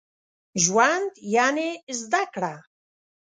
ژوند يعني زده کړه.